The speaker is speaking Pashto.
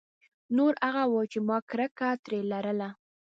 نور هغه وو چې ما کرکه ترې لرله.